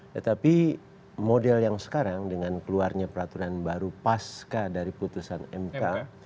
tetapi model yang sekarang dengan keluarnya peraturan baru pasca dari putusan mk